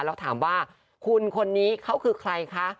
แล้วถามว่าคุณคนนี้เขาคือใครคะ